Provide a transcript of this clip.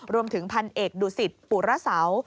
รวมถึงพันเอกดุสิตปุระเสา